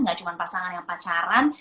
gak cuma pasangan yang pacaran